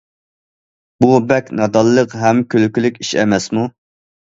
بۇ بەك نادانلىق ھەم كۈلكىلىك ئىش ئەمەسمۇ!